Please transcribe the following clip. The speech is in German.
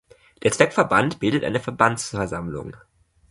Der Zweckverband bildet eine Verbandsversammlung.